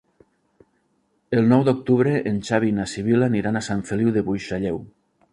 El nou d'octubre en Xavi i na Sibil·la aniran a Sant Feliu de Buixalleu.